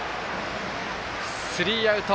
スリーアウト。